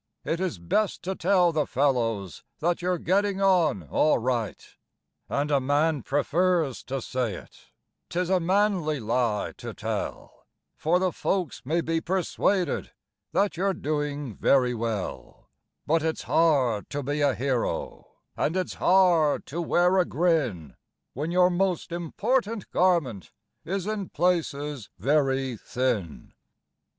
It is best to tell the fellows that you're getting on all right. And a man prefers to say it 'tis a manly lie to tell, For the folks may be persuaded that you're doing very well ; But it's hard to be a hero, and it's hard to wear a grin, When your most important garment is in places very thin.